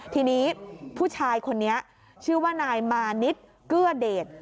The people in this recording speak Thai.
ทีนี้ผู้ชายคนนี้ชื่อว่านายมานิดเกื้อเดช